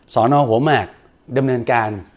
สอนอหัวหมากดำเนินการ